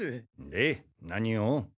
で何を？